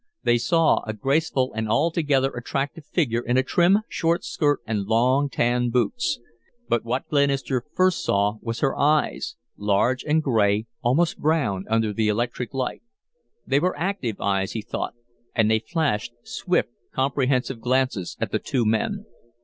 They saw a graceful and altogether attractive figure in a trim, short skirt and long, tan boots. But what Glenister first saw was her eyes; large and gray, almost brown under the electric light. They were active eyes, he thought, and they flashed swift, comprehensive glances at the two men.